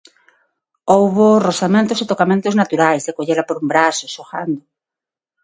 Houbo rozamentos e tocamentos naturais, de collela por un brazo, xogando.